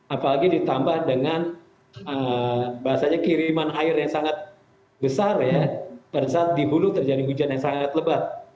apalagi ditambah dengan bahasanya kiriman air yang sangat besar ya pada saat di hulu terjadi hujan yang sangat lebat